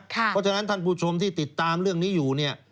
เพราะฉะนั้นท่านผู้ชมที่ติดตามเรื่องนี้อยู่เนี่ย